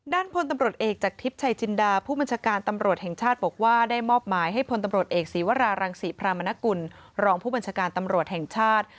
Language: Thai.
พลตำรวจเอกจากทิพย์ชัยจินดาผู้บัญชาการตำรวจแห่งชาติบอกว่าได้มอบหมายให้พลตำรวจเอกศีวรารังศรีพรามนกุลรองผู้บัญชาการตำรวจแห่งชาติ